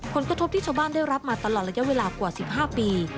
ผลกระทบที่ชาวบ้านได้รับมาตลอดระยะเวลากว่า๑๕ปี